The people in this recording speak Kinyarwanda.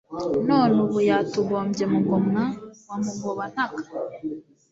none ubu yatugombye mugomwa wa mugoba-ntaka